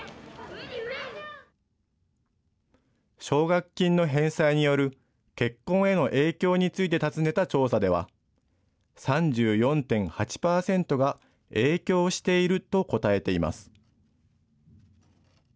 奨学金の返済による結婚への影響について尋ねた調査では、３４．８％が影響していると答えています。